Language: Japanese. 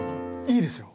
いいですよ。